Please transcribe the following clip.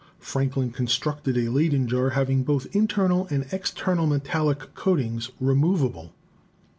Franklin constructed a Leyden jar having both internal and external metallic coatings removable.